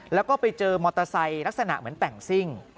แล้วก็ไปเจอมอเตอร์ไซค์ลักษณะเหมือนแต่งซิ่ง